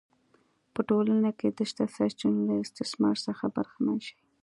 په ټولنه کې د شته سرچینو له استثمار څخه برخمن شي